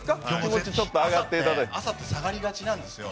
朝って下がりがちなんですよ。